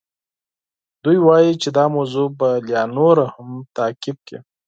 دوی وایي چې دا موضوع به لا نوره هم تعقیب کړي.